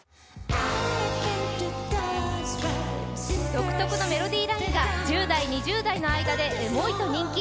独特のメロディーラインが１０代２０代の間でエモいと人気。